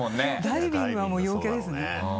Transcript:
ダイビングはもう陽キャですね。